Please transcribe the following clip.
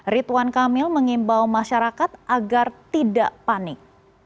rituan kamil mengimbau masyarakat agar tidak panik